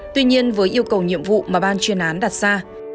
tuy nhiên với yêu cầu nhiệm vụ mà ban chuyên án đặt ra